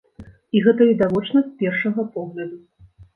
І гэта відавочна з першага погляду.